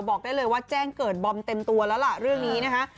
บอกได้เลยว่าแจ้งเกิดบอมเต็มตัวแล้วล่ะเรื่องนี้นะคะ